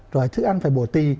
rồi thức ăn phải bổ tì